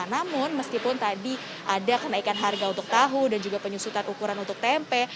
namun meskipun tadi ada kenaikan harga untuk tahu dan juga penyusutan ukuran untuk tempe